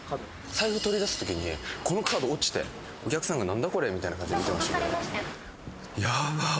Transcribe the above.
財布取り出す時にこのカード落ちてお客さんが「何だこれ？」みたいな感じで見てましたけどヤバっ